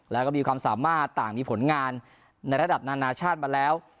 แล้วก็มีความสามารถต่างมีผลงานในระดับนานาชาติมาแล้ว